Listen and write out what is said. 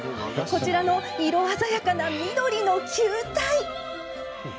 こちらの色鮮やかな緑の球体。